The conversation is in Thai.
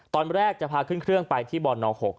ตอนแรกจะพาขึ้นเครื่องไปที่บน๖